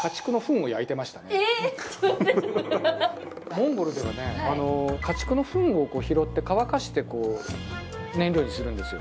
モンゴルではね家畜のフンを拾って乾かしてこう燃料にするんですよ